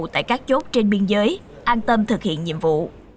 tại các chốt trên biên giới an tâm thực hiện nhiệm vụ